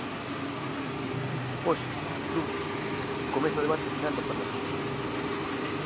Hoxe, luns, comeza o debate final no Parlamento.